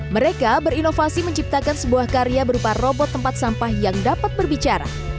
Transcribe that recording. mereka berinovasi menciptakan sebuah karya berupa robot tempat sampah yang dapat berbicara